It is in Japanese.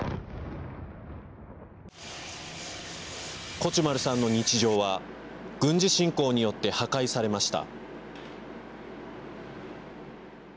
コチュマルさんの日常は軍事侵攻によって破壊されました。